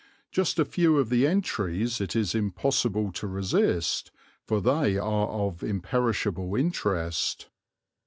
Just a few of the entries it is impossible to resist, for they are of imperishable interest.